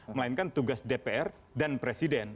melainkan tugas dpr dan presiden